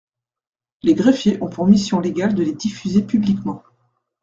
Les greffiers ont pour mission légale de les diffuser publiquement.